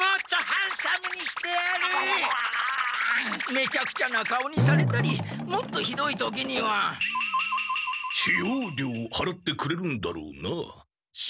めちゃくちゃな顔にされたりもっとひどい時には。使用料をはらってくれるんだろうな？